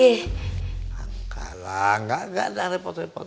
enggak lah enggak ada repot repot